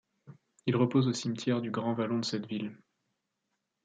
Ils reposent au cimetière du Grand-Vallon de cette ville.